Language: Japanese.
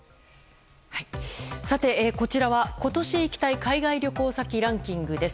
こちらは、今年行きたい海外旅行先ランキングです。